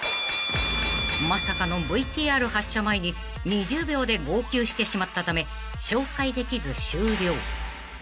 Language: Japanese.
［まさかのＶＴＲ発射前に２０秒で号泣してしまったため紹介できず終了］